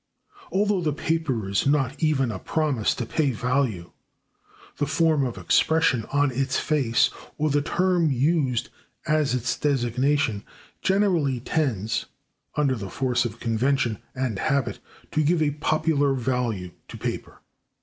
Although the paper is not even a promise to pay value, the form of expression on its face, or the term used as its designation, generally tends, under the force of convention and habit, to give a popular value to paper.